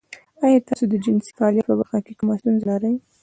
ایا تاسو د جنسي فعالیت په برخه کې کومه ستونزه لرئ؟